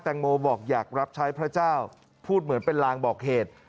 งโมบอกอยากรับใช้พระเจ้าพูดเหมือนเป็นลางบอกเหตุ